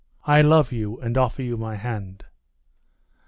I love you, and offer you my hand."